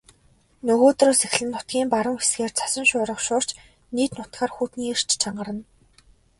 Нөгөөдрөөс эхлэн нутгийн баруун хэсгээр цасан шуурга шуурч нийт нутгаар хүйтний эрч чангарна.